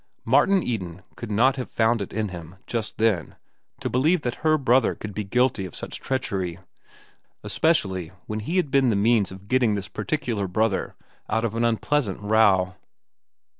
Martin Eden could not have found it in him, just then, to believe that her brother could be guilty of such treachery—especially when he had been the means of getting this particular brother out of an unpleasant row.